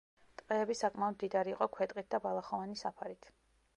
ტყეები საკმაოდ მდიდარი იყო ქვეტყით და ბალახოვანი საფარით.